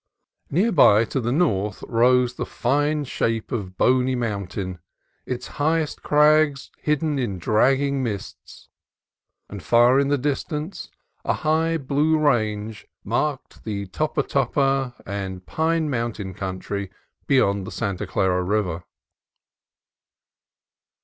Near by to the north rose the fine shape of Boney Mountain, its highest crags hidden in dragging mists; and far in the distance a high blue range marked the Topatopa and Pine Moun tain country beyond the Santa Clara River.